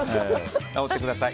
直ってください。